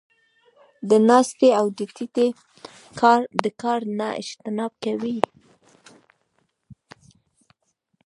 د ناستې او د ټيټې د کار نۀ اجتناب کوي -